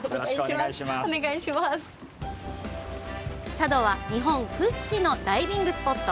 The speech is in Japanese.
佐渡は、日本屈指のダイビングスポット。